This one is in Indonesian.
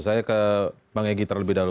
saya ke bang egy terlebih dahulu